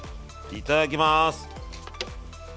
いただきます！